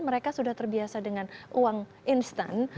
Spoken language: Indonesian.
mereka sudah terbiasa dengan uang instan